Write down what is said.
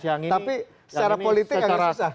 tapi secara politik agak susah